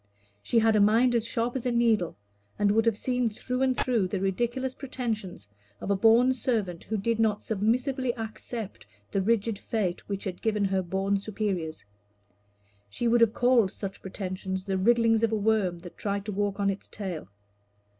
She had a mind as sharp as a needle, and would have seen through and through the ridiculous pretensions of a born servant who did not submissively accept the rigid fate which had given her born superiors. She would have called such pretensions the wrigglings of a worm that tried to walk on its tail.